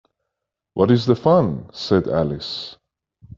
‘What is the fun?’ said Alice.